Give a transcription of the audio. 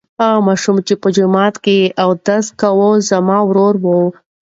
هغه ماشوم چې په جومات کې اودس کاوه زما ورور و.